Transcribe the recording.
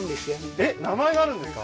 えっ名前があるんですか？